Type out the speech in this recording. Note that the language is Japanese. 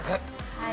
はい。